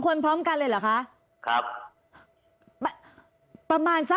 ครับ